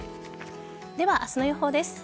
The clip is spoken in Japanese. では明日の予報です。